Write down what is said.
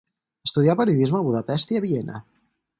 Estudià periodisme a Budapest i a Viena.